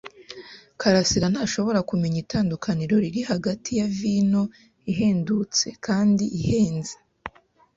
karasira ntashobora kumenya itandukaniro riri hagati ya vino ihendutse kandi ihenze.